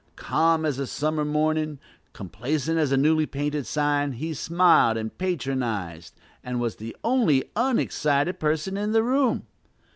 Calm as a summer morning, complacent as a newly painted sign, he smiled and patronized, and was the only unexcited person in the room.